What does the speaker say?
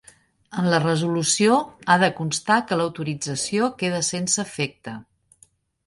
En la resolució ha de constar que l'autorització queda sense efecte.